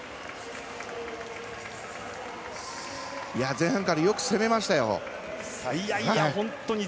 前半からよく攻めましたよ。